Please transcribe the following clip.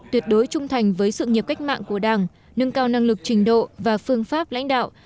tuyệt đối trung thành với sự nghiệp cách mạng của đảng nâng cao năng lực trình độ và phương pháp lãnh đạo